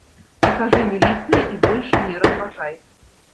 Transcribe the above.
Пакажы міліцыі і больш не разважай.